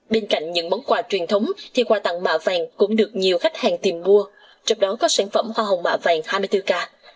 bên cạnh những món quà truyền thống thì quà tặng mạ vàng cũng được nhiều khách hàng tìm mua trong đó có sản phẩm hoa hồng mạ vàng hai mươi bốn k